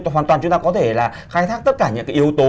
hoàn toàn chúng ta có thể là khai thác tất cả những cái yếu tố